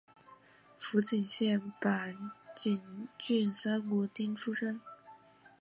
福井县坂井郡三国町出身。